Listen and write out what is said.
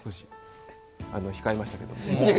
控えましたけど。